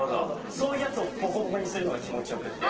そういうヤツをボコボコにするのが気持ち良くて。